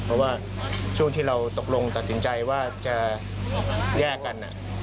เพราะว่าช่วงที่เราตกลงตัดสินใจว่าจะแยกกัน